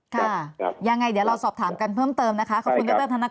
ค่ะยังไงเดี๋ยวเราสอบถามกันเพิ่มเติมนะคะ